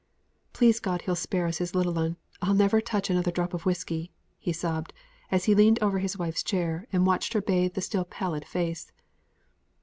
"Please God He'll spare us His little 'un, I'll never touch another drop of whisky," he sobbed, as he leaned over his wife's chair, and watched her bathe the still pallid face.